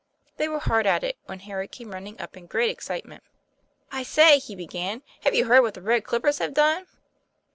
They were hard at it, when Harry came running up in great excitement. "I say," he began, "have you heard what the Red Clippers have done